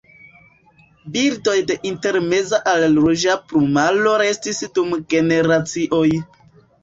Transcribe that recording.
Birdoj de intermeza al ruĝa plumaro restis dum generacioj.